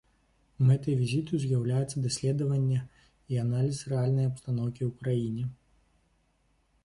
Мэтай візіту з'яўляецца даследаванне і аналіз рэальнай абстаноўкі ў краіне.